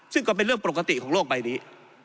ซึ่งก็เป็นเรื่องปกติของโลกใบนี้